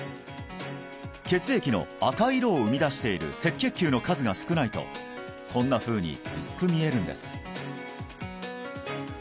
血液の赤い色を生み出している赤血球の数が少ないとこんなふうに薄く見えるんです